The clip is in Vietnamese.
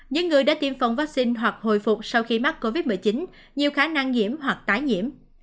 những người đã tiêm phòng vaccine hoặc hồi phục sau khi mắc covid một mươi chín nhiều khả năng nhiễm hoặc tái nhiễm